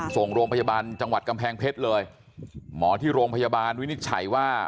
ส่งโรงพยาบาลจังหวัดกำแพงเพชรเลยหมอที่โรงพยาบาลวินิจฉัยว่า